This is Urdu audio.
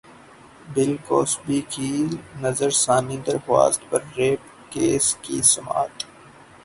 بل کوسبی کی نظرثانی درخواست پر ریپ کیس کی سماعت